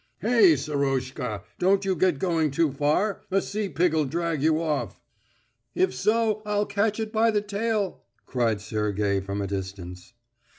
"Hey, Serozhska, don't you get going too far. A sea pig'll drag you off!" "If so, I'll catch it by the tail," cried Sergey from a distance.